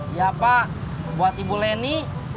iya pak buat ibu leni